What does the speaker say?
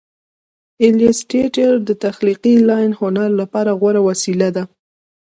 ایلیسټریټر د تخلیقي لاین هنر لپاره غوره وسیله ده.